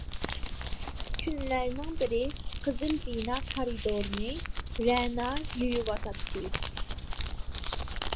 كۈنلەرنىڭ بىرى قىزىل بىنا كارىدورىنى رەنا يۇيۇۋاتاتتى.